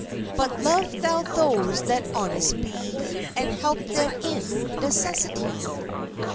But love thou those that honest be, And help them in necessity.